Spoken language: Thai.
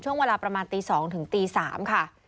ช่วงเวลาประมาณตี๒ถึงตี๓ค่ะ